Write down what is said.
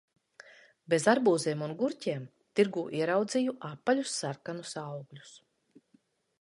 Bez arbūziem un gurķiem tirgū ieraudzīju apaļus sarkanus augļus.